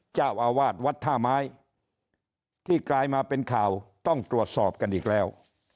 เจ้าอาวาสวัดท่าไม้ที่กลายมาเป็นข่าวต้องตรวจสอบกันอีกแล้ว